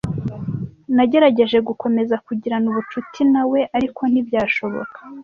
Nagerageje gukomeza kugirana ubucuti na we, ariko ntibyashoboka.